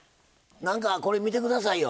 なんかこれ見て下さいよ。